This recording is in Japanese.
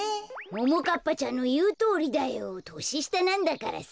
ももかっぱちゃんのいうとおりだよ。とししたなんだからさ。